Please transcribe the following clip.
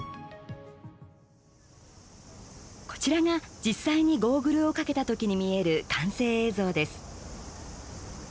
こちらが、実際にゴーグルを掛けた時に見える完成映像です。